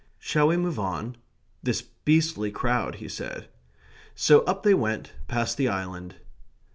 "Shall we move on... this beastly crowd..." he said. So up they went, past the island.